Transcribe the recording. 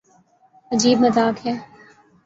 عجیب مذاق ہے۔